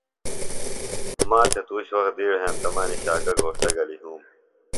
ما تھےۡ تُوش وخت دِیڑ ہینتہ مہ انیۡ شاکہ گھوݜٹہ گلیۡ یُھوم